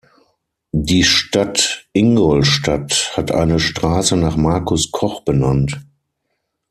Die Stadt Ingolstadt hat eine Straße nach Markus Koch benannt.